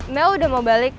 mel udah mau balik